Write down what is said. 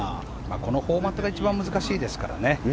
このフォーマットが一番難しいですからね。